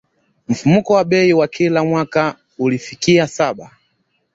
Mfumuko wa bei wa kila mwaka ulifikia saba